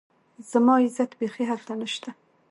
زما عزت بيخي هلته نشته